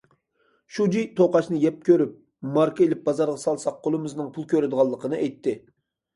شۇجى توقاچنى يەپ كۆرۈپ، ماركا ئېلىپ بازارغا سالساق، قولىمىزنىڭ پۇل كۆرىدىغانلىقىنى ئېيتتى.